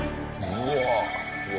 うわ。